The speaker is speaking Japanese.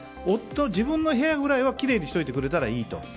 夫は自分の部屋ぐらいはきれいにしといてくれたらいいと。